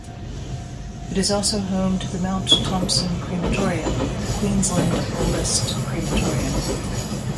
It is also home to the Mount Thompson crematorium, Queensland oldest crematorium.